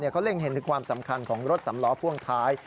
เขาเล่งเห็นถึงความสำคัญของรถสำล้อพ่วงท้าย